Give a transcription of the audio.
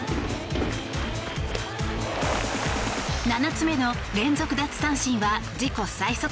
７つ目の連続奪三振は自己最速